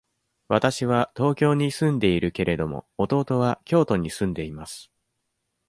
わたしは東京に住んでいるけれども、弟は京都に住んでいます。